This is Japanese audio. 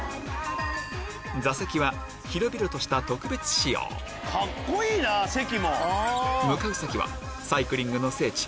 座席は広々とした特別仕様向かう先はサイクリングの聖地